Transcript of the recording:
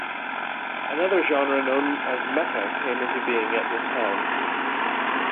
Another genre known as mecha came into being at this time.